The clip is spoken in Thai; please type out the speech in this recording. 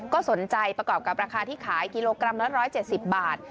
ก็สนใจประกอบกับราคาที่ขายกิโลกรัมละ๑๗๐บาท